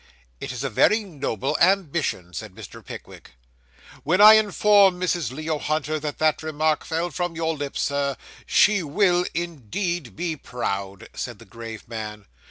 'It is a very noble ambition,' said Mr. Pickwick. 'When I inform Mrs. Leo Hunter, that that remark fell from your lips, sir, she will indeed be proud,' said the grave man.